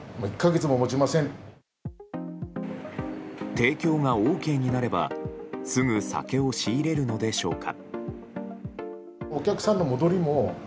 提供がＯＫになればすぐ酒を仕入れるのでしょうか。